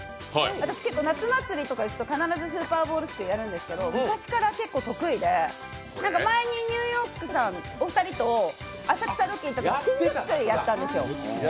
私、結構夏祭りいくと必ずスーパーボールすくいやるんですけど昔から結構得意で、前にニューヨークさんお二人と浅草ロケ行ったときに金魚すくいやったんですよ。